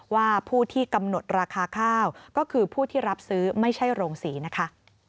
ว่าผู้ที่กำหนดราคาข้าวก็คือผู้ที่รับซื้อไม่ใช่โรงศรีนะคะ